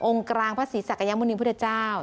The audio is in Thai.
องค์กรางพระศรีศักยมนิมพระเจ้า